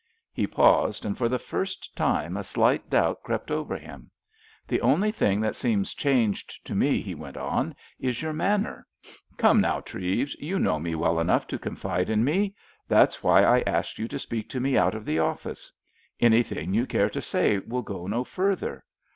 He paused, and for the first time a slight doubt crept over him. "The only thing that seems changed to me," he went on, "is your manner. Come, now, Treves, you know me well enough to confide in me; that's why I asked you to speak to me out of the office. Anything you care to say will go no further.